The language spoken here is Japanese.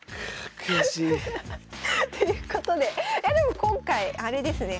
悔しい。ということでいやでも今回あれですね